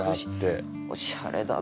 おしゃれだな。